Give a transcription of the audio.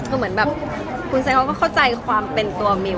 คือเหมือนแบบคุณเซนเขาก็เข้าใจความเป็นตัวมิว